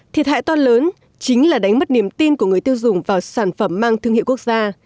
thiệt hại to lớn chính là đánh mất niềm tin của người tiêu dùng vào sản phẩm mang thương hiệu quốc gia